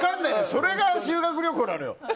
それが修学旅行なのよ。